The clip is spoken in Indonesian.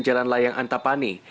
jalan layang antapani